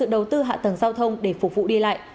đầu tư hạ tầng giao thông để phục vụ đi lại